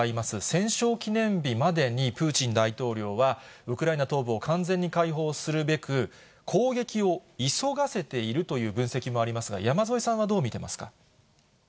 戦勝記念日までにプーチン大統領は、ウクライナ東部を完全に解放するべく、攻撃を急がせているという分析もありますが、山添さんはどう見ていますか。